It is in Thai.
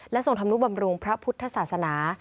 และทรงทำลูกบำรุงพระพุทธศาสนา